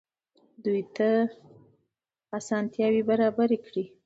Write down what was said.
دوی ته اسانتیاوې برابرې کړئ.